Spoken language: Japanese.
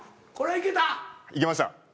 いけました。